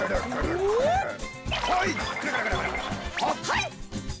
はい。